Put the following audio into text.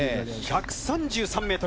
１３３ｍ。